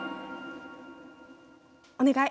お願い。